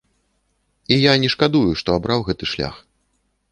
І я не шкадую, што абраў гэты шлях.